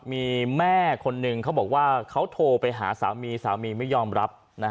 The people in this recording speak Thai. มีแม่คนหนึ่งเขาบอกว่าเขาโทรไปหาสามีสามีไม่ยอมรับ